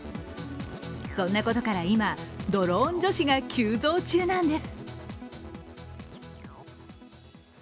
そんなことから今、ドローン女子が急増中なんです。